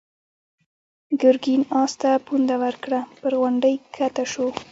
ګرګين آس ته پونده ورکړه، پر غونډۍ کښته شو.